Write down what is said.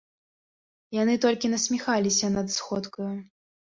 Яны толькі насміхаліся над сходкаю.